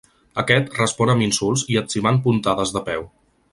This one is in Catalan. Aquest respon amb insults i etzibant puntades de peu.